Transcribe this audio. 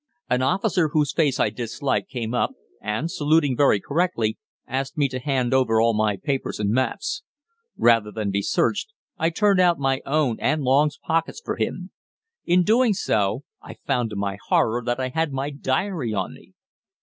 An officer, whose face I disliked, came up, and, saluting very correctly, asked me to hand over all my papers and maps. Rather than be searched, I turned out my own and Long's pockets for him. In doing so, I found to my horror that I had my diary on me!